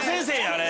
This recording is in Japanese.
あれ。